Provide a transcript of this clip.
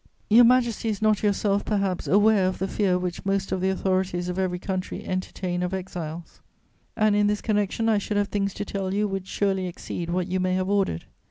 Your Majesty is not yourself, perhaps, aware of the fear which most of the authorities of every country entertain of exiles, and in this connection I should have things to tell you which surely exceed what you may have ordered.